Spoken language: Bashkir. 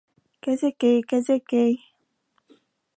- Кәзәкәй-кәзәкәй...